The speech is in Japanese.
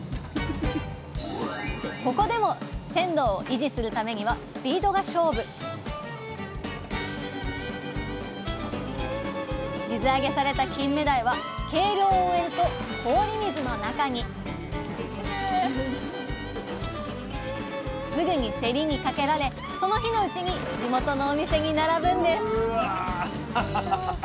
ここでも鮮度を維持するためにはスピードが勝負水揚げされたキンメダイは計量を終えると氷水の中にすぐに競りにかけられその日のうちに地元のお店に並ぶんです